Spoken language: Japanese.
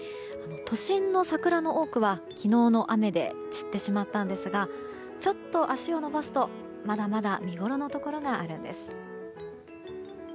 都心の桜の多くは昨日の雨で散ってしまったんですがちょっと足を延ばすとまだまだ見ごろのところがあるんです。